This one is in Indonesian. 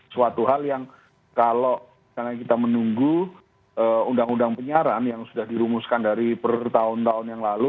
suatu hal yang kalau misalnya kita menunggu undang undang penyiaran yang sudah dirumuskan dari pertahun tahun yang lalu